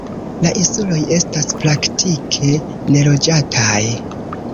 La insuloj estas praktike neloĝataj.